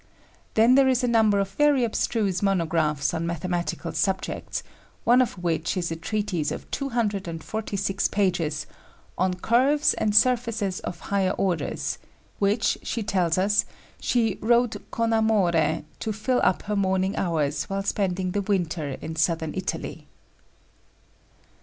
Then there is a number of very abstruse monographs on mathematical subjects, one of which is a treatise of two hundred and forty six pages On Curves and Surfaces of Higher Orders, which, she tells us, she "wrote con amore to fill up her morning hours while spending the winter in Southern Italy."